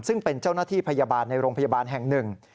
ซึ่งเป็นเจ้าหน้าที่พยาบาลในโรงพยาบาลแห่งหนึ่ง